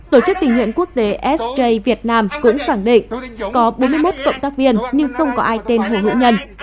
tổ chức tình nguyện quốc tế sj việt nam cũng khẳng định có bốn mươi một cộng tác viên nhưng không có ai tên huỳnh hữu nhân